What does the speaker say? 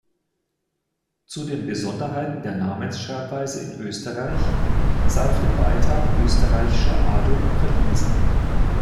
Zu den Besonderheiten der Namensschreibweise in Österreich sei auf den Beitrag Österreichischer Adel verwiesen.